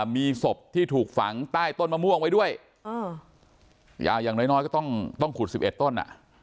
มีศพที่ถูกฝังใต้ต้นมะม่วงไว้ด้วยอย่างน้อยก็ต้องขุด๑๑ต้นอ่ะ